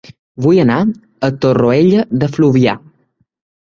Vull anar a Torroella de Fluvià